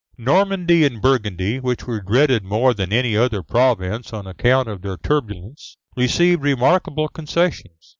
Normandy and Burgundy, which were dreaded more than any other province on account of their turbulence, received remarkable concessions.